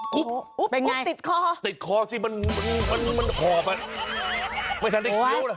กุ๊บติดคอสิมันคอบอ่ะไม่ทันที่สิ้ว